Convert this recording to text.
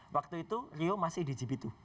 waktu itu rio masih di jibitu